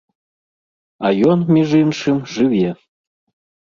А ён, між іншым, жыве.